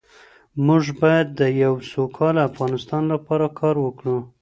موږ باید د یو سوکاله افغانستان لپاره کار وکړو.